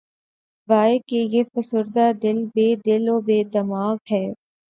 واے! کہ یہ فسردہ دل‘ بے دل و بے دماغ ہے